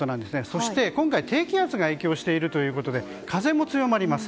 そして、今回低気圧が影響しているということで風も強まります。